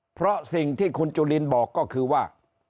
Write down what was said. เพราะสิ่งที่คุณจุลินบอกก็คือว่า